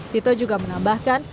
tito juga menambahkan